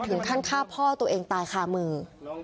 ถึงขั้นฆ่าพ่อตัวเองตายคามือ